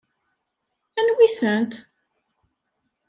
Anwi-tent?